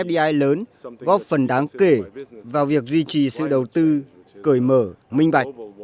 số vốn fdi lớn góp phần đáng kể vào việc duy trì sự đầu tư cởi mở minh bạch